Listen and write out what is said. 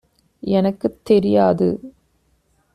எனக்குத் தெரியாது.